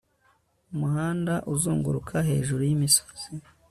Umuhanda uzunguruka hejuru yimisozi